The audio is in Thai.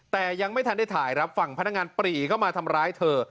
แต่ยังไม่ทันได้ถ่ายครับฝั่งพนักงานปรีเข้ามาทำร้ายเธอ